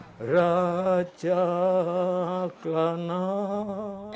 anda yang sudah semua selamat